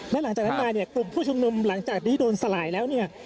และหลังจากนั้นมาเนี่ยกลุ่มผู้ชุมนุมหลังจากนี้โดนสลายแล้วเนี่ย